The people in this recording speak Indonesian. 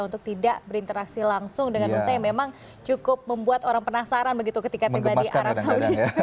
untuk tidak berinteraksi langsung dengan berita yang memang cukup membuat orang penasaran begitu ketika tiba di arab saudi